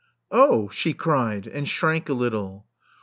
Oh!" she cried, and shrank a little.